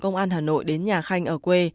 công an hà nội đến nhà khanh ở quê